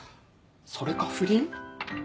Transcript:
それか不倫？